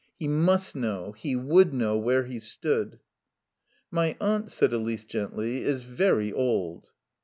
He must know, he would know, where he stood. "My aunt," said Elise gently, "is very old."